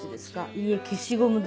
「いいえ消しゴムです」。